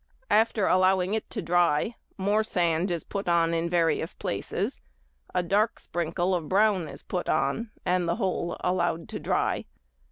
After allowing it to dry, more sand is put on in various places, a dark sprinkle of brown is put on, and the whole allowed to dry.